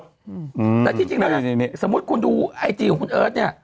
อืมแต่ที่จริงแล้วเนี่ยสมมุติคุณดูไอจีของคุณเอิร์ทเนี่ย